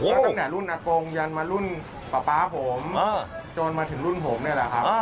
ก็ตั้งแต่รุ่นอากงยันมารุ่นป๊าป๊าผมจนมาถึงรุ่นผมนี่แหละครับ